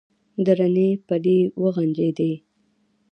درنې پلې وغنجېدې.